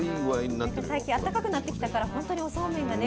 なんか最近あったかくなってきたから本当におそうめんがね